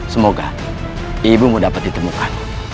semoga ibu mudah ditemukan